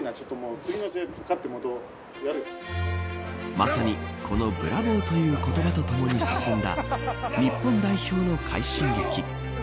まさにこのブラボーという言葉とともに進んだ日本代表の快進撃。